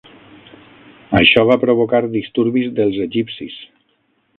Això va provocar disturbis dels egipcis.